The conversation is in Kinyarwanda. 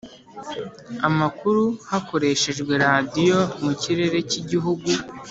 amakuru hakoreshejwe radiyo mu kirere cy Igihugu